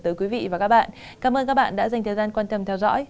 tới quý vị và các bạn cảm ơn các bạn đã dành thời gian quan tâm theo dõi